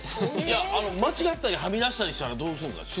間違ったりはみ出したりしたらどうするの。